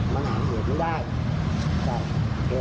มันหาเหตุไม่ได้ใช่